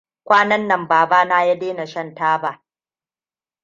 Kwanan nan babana ya daina shan taba.